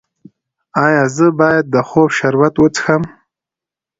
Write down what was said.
ایا زه باید د خوب شربت وڅښم؟